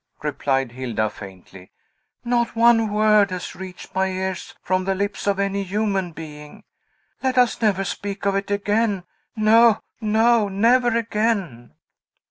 replied Hilda faintly. "Not one word has reached my ears from the lips of any human being. Let us never speak of it again! No, no! never again!"